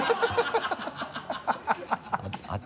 ハハハ